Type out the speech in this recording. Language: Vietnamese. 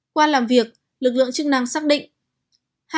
qua làm việc lực lượng chức năng xác định